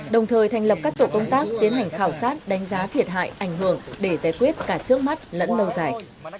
đồng thời thành lập các tổ công tác tiến hành khảo sát đánh giá thiệt hại ảnh hưởng để giải quyết cả trước mắt lẫn lâu dài